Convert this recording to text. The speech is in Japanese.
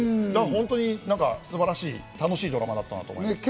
本当に素晴らしい楽しいドラマだったと思います。